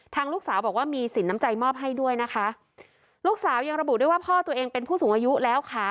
ลูกสาวบอกว่ามีสินน้ำใจมอบให้ด้วยนะคะลูกสาวยังระบุด้วยว่าพ่อตัวเองเป็นผู้สูงอายุแล้วค่ะ